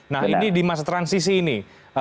nah ini di masa transisi ini